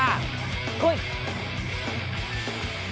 来い！